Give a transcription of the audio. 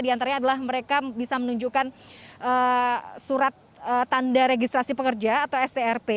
di antaranya adalah mereka bisa menunjukkan surat tanda registrasi pekerja atau strp